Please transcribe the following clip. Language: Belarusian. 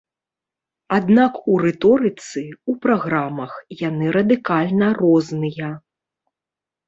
Аднак у рыторыцы, у праграмах яны радыкальна розныя.